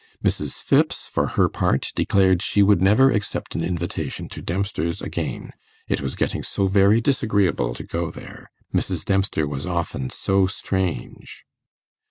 Mrs. Phipps, for her part, declared she would never accept an invitation to Dempster's again; it was getting so very disagreeable to go there, Mrs. Dempster was often 'so strange'.